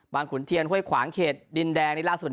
ขุนเทียนห้วยขวางเขตดินแดงนี่ล่าสุด